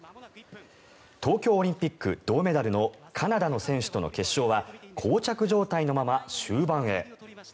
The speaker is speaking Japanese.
東京オリンピック銅メダルのカナダの選手との決勝はこう着状態のまま終盤へ。